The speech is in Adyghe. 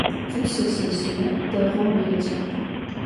Tipşseşsezjıê değou yêce.